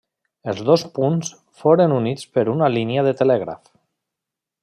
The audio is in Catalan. Els dos punts foren units per una línia de telègraf.